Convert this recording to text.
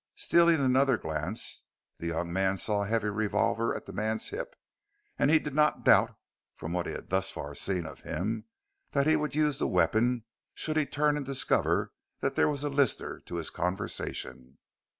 Stealing another glance, the young man saw a heavy revolver at the man's hip, and he did not doubt, from what he had thus far seen of him, that he would use the weapon should he turn and discover that there was a listener to his conversation.